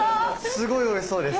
すごいおいしそうです。